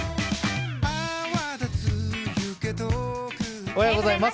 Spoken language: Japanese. おはようございます。